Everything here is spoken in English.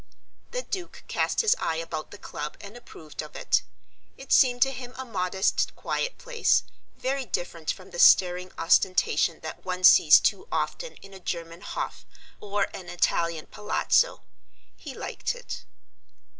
The Duke cast his eye about the club and approved of it. It seemed to him a modest, quiet place, very different from the staring ostentation that one sees too often in a German hof or an Italian palazzo. He liked it.